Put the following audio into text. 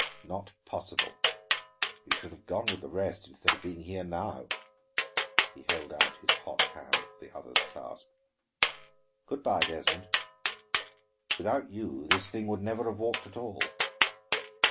"Not possible! You should have gone with the rest instead of being here now." He held out his hot hand for the other's clasp. "Good by, Desmond. Without you this thing would never have worked at all."